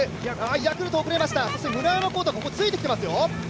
ヤクルト遅れました、村山紘太はついてきてますよ。